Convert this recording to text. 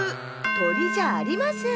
とりじゃありません。